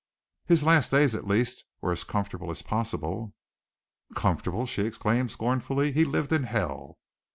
"His last days, at least, were as comfortable as possible." "Comfortable!" she exclaimed scornfully. "He lived in hell!"